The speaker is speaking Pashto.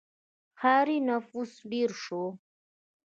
• ښاري نفوس ډېر شو.